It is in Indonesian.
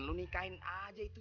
tuh si jawir tuh